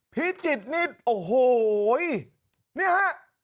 พิจิตรนี่โอ้โหนี่ฮะ